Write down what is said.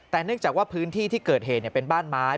แต่เนื่องจากว่าพื้นที่ที่เกิดเหตุเป็นบ้านไม้